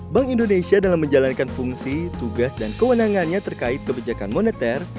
bank indonesia dalam menjalankan fungsi tugas dan kewenangannya terkait kebijakan moneter